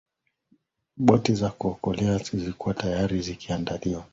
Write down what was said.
boti za kuokolea zilikuwa tayari zikiandaliwa